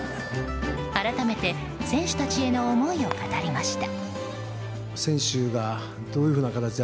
改めて選手たちへの思いを語りました。